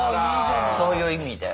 そういう意味では。